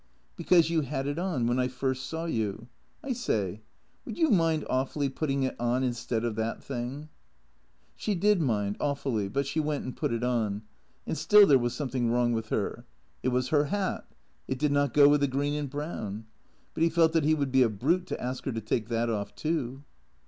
" Because you had it on when I first saw you. I say, would you mind awfully putting it on instead of that thing ?" She did mind, awfully; but she went and put it on. And still there was something wrong with her. It was her hat. It did not go with the green and brown. But he felt that he would be a brute to ask her to take that off, too.